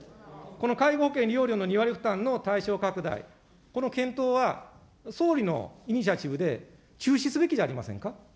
この介護保険利用料の２割負担の対象拡大、この検討は、総理のイニシアチブで中止すべきじゃありませんか。